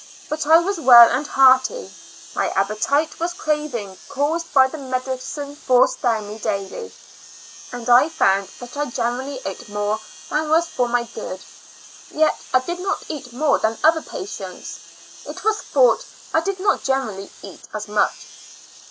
But I was Well and hearty; my appetite was craving, caused by the medicine forced down me daily, and I found that I generally ate more than was for my good; yet I did not eat more than other patients; it was thought I did not generally eat as much.